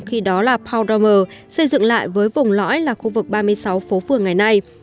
khi đó là powermer xây dựng lại với vùng lõi là khu vực ba mươi sáu phố phường ngày nay